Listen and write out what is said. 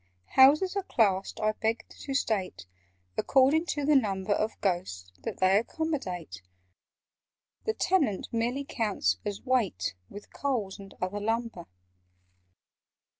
"Houses are classed, I beg to state, According to the number Of Ghosts that they accommodate: (The Tenant merely counts as weight, With Coals and other lumber).